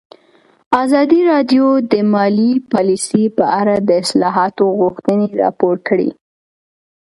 ازادي راډیو د مالي پالیسي په اړه د اصلاحاتو غوښتنې راپور کړې.